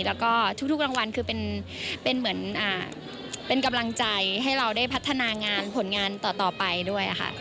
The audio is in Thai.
แล้วก็ทุกรางวัลคือเป็นเหมือนเป็นกำลังใจให้เราได้พัฒนางานผลงานต่อไปด้วยค่ะ